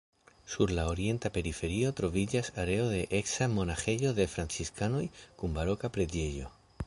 Sur la orienta periferio troviĝas areo de eksa monaĥejo de franciskanoj kun baroka preĝejo.